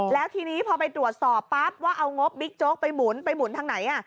แล้วทีนี้พอไปตรวจสอบปั๊บว่าเอางบบิ๊กโจ๊กไปหมุนไปหมุนทางไหน